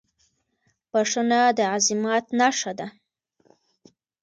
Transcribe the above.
• بښنه د عظمت نښه ده.